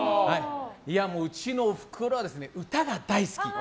うちのお袋は歌が大好き。